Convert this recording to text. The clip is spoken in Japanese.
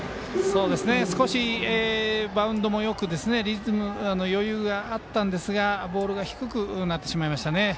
少しバウンドもよく余裕があったんですがボールが低くなってしまいました。